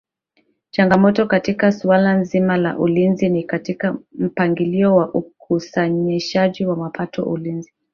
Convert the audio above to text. Changamoto katika suala nzima la Ulinzi ni katika mpangilio wa ukusanyaji wa mapato ulinzi